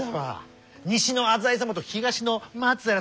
西の浅井様と東の松平様